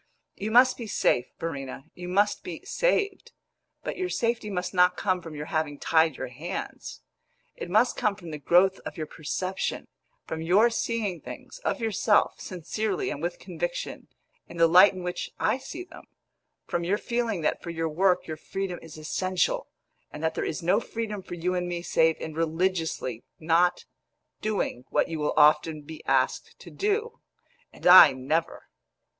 You must be safe, Verena you must be saved; but your safety must not come from your having tied your hands. It must come from the growth of your perception; from your seeing things, of yourself, sincerely and with conviction, in the light in which I see them; from your feeling that for your work your freedom is essential, and that there is no freedom for you and me save in religiously not doing what you will often be asked to do and I never!"